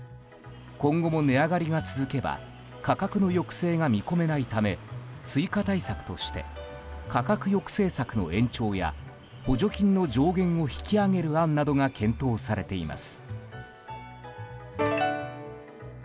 今後も値上がりが続けば価格の抑制が見込めないため追加対策として価格抑制策の延長や補助金の上限を引き上げる案などが検討されています。